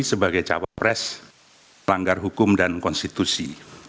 sebagai cawapres pelanggar hukum dan konstitusi